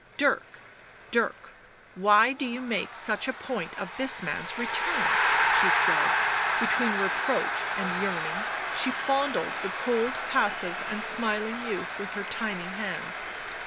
" Dirk, Dirk, why do you make such a point of this man's return ?" she said, between reproach and yearning. She fondled the cold, passive and smiling youth with her tiny hands.